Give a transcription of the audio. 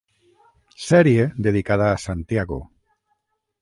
Sèrie dedicada a Santiago.